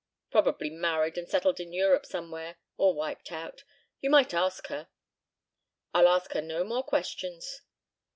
"Probably married and settled in Europe somewhere, or wiped out. You might ask her." "I'll ask her no more questions."